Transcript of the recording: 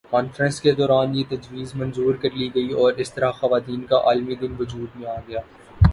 conference کے دوران یہ تجویز منظور کر لی گئی اور اس طرح خواتین کا عالمی دن وجود میں آگیا